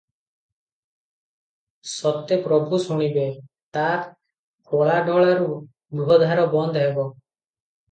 ସତେ ପ୍ରଭୁ ଶୁଣିବେ- ତା କଳା ଡୋଳାରୁ ଲୁହଧାର ବନ୍ଦ ହେବ?